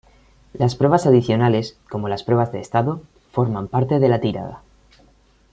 Las pruebas adicionales, como las pruebas de estado, forman parte de la tirada.